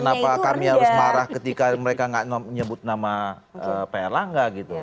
kenapa kami harus marah ketika mereka nggak menyebut nama pak erlangga gitu